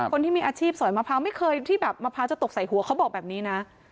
คนที่มีอาชีพสอยมะพร้าวไม่เคยที่แบบมะพร้าวจะตกใส่หัวเขาบอกแบบนี้นะ